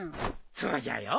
そうじゃよ。